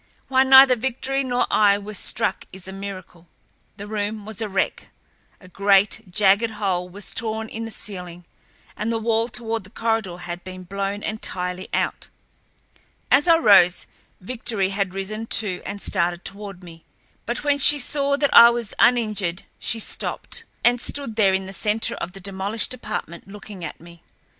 Why neither Victory nor I were struck is a miracle. The room was a wreck. A great, jagged hole was torn in the ceiling, and the wall toward the corridor had been blown entirely out. As I rose, Victory had risen, too, and started toward me. But when she saw that I was uninjured she stopped, and stood there in the center of the demolished apartment looking at me.